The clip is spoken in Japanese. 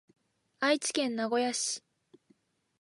愛知県名古屋市